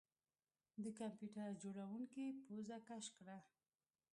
د کمپیوټر جوړونکي پوزه کش کړه